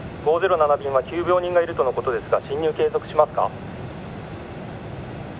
「５０７便は急病人がいるとの事ですが進入継続しますか？」